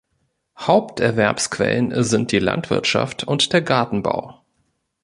Haupterwerbsquellen sind die Landwirtschaft und der Gartenbau.